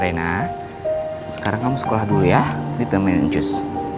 rena sekarang kamu sekolah dulu ya di teman yang cus